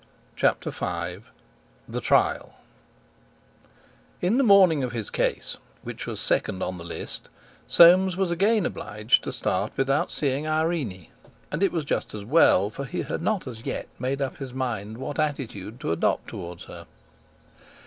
'" CHAPTER V THE TRIAL In the morning of his case, which was second in the list, Soames was again obliged to start without seeing Irene, and it was just as well, for he had not as yet made up his mind what attitude to adopt towards her.